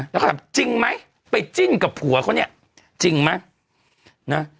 แล้วก็ถามจริงไหมไปจิ้นกับผัวเขาเนี่ยจริงไหมนะ